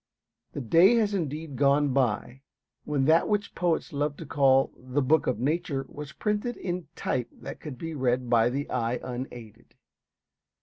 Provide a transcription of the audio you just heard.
The day has indeed gone by when that which poets love to call the Book of Nature was printed in type that could be read by the eye unaided.